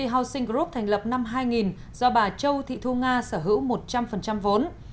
housing group thành lập năm hai nghìn do bà châu thị thu nga sở hữu một trăm linh vốn